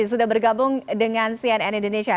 sudah bergabung dengan cnn indonesia